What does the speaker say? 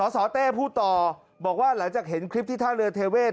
สเต้พูดต่อบอกว่าหลังจากเห็นคลิปที่ท่าเรือเทเวศ